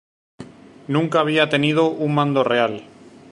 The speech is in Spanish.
Nunca había tenido un mando real.